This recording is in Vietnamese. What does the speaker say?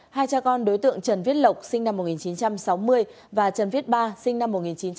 hai cha con đối tượng trần viết lộc sinh năm một nghìn chín trăm sáu mươi và trần viết ba sinh năm một nghìn chín trăm tám mươi